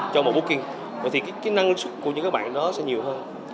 cho một booking thì cái năng lực của những bạn đó sẽ nhiều hơn